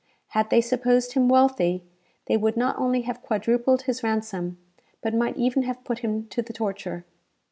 Had they supposed him wealthy, they would not only have quadrupled his ransom, but might even have put him to the torture.